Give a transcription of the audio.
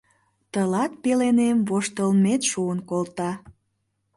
Тылат пеленем воштылмет шуын колта.